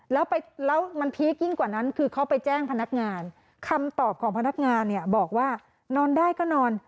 แล้วมันพีคยิ่งกว่านั้นคือเขาไปแจ้งพนักงานคำตอบของพนักงานเนี่ยบอกว่านอนได้ก็นอน